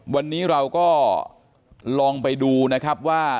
วันนี้เราก็ลองไปดูนะครับว่า